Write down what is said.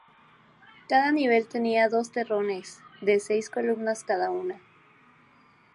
Cada nivel tenía dos torres, de seis columnas cada una.